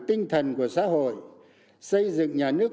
tinh thần của xã hội xây dựng nhà nước